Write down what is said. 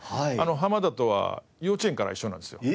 浜田とは幼稚園から一緒なんですよ。